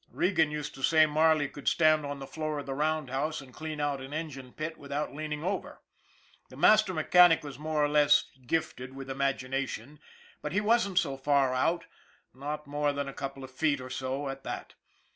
Regan used to say Marley could stand on the floor of the roundhouse and clean out an engine pit without leaning over. The master mechanic was more or less gifted with imagination, but he wasn't so far out, not more than a couple of feet or so, at that.